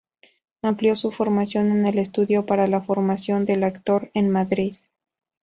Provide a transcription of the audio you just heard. Amplió su formación en el Estudio para la Formación del Actor, en Madrid.